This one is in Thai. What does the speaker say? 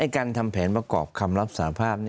การทำแผนประกอบคำรับสาภาพ